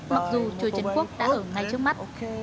mặc dù chùa trấn quốc đã ở ngay trước mắt